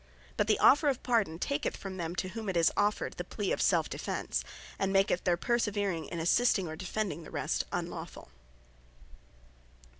But the offer of Pardon taketh from them, to whom it is offered, the plea of self defence, and maketh their perseverance in assisting, or defending the rest, unlawfull.